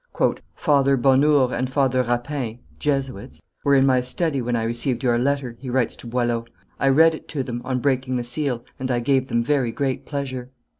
"Father Bonhours and Father Rapin (Jesuits) were in my study when I received your letter," he writes to Boileau. "I read it to them, on breaking the seal, and I gave them very great pleasure.